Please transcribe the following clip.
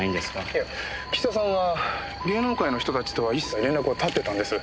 いや岸田さんは芸能界の人たちとは一切連絡を絶ってたんです。